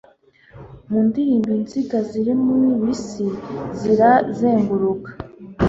Mu ndirimbo Inziga ziri muri bisi Zira zenguruka